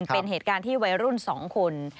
เป็นเหตุการณ์ที่วัยรุ่น๒คน